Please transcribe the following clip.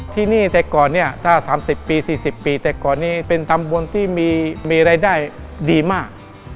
ที่นี่แต่ก่อนเนี่ยถ้า๓๐ปี๔๐ปีแต่ก่อนนี้เป็นตำบลที่มีรายได้ดีมาก